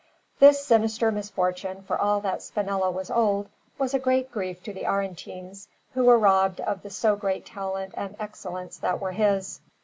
This sinister misfortune, for all that Spinello was old, was a great grief to the Aretines, who were robbed of the so great talent and excellence that were his.